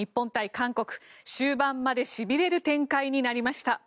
韓国、終盤までしびれる展開になりました。